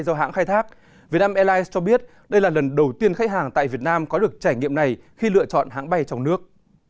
do hãng khai thác vietnam airlines cho biết đây là lần đầu tiên khách hàng tại việt nam có được trải nghiệm này khi lựa chọn hãng bay trong nước